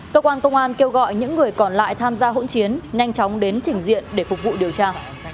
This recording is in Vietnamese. cơ quan công an kêu gọi những người còn lại tham gia hỗn chiến nhanh chóng đến trình diện để phục vụ điều tra